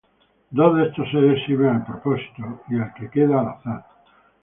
Dos de estos seres sirven al propósito, y el que queda al azar.